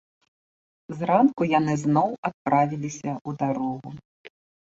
Зранку яны зноў адправіліся ў дарогу.